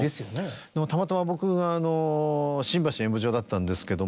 でもたまたま僕があの新橋演舞場だったんですけども。